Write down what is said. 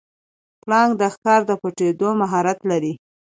پړانګ د ښکار د پټیدو مهارت لري.